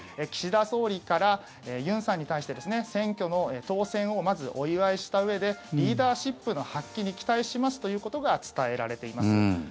岸田総理から、ユンさんに対して選挙の当選をまずお祝いしたうえでリーダーシップの発揮に期待しますということが伝えられています。